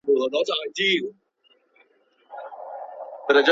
ولي استعداد د هڅي پرته د یوه پټ کاني په څیر دی؟